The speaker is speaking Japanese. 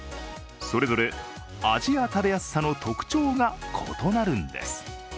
それぞれ味や食べやすさの特徴が異なるんです。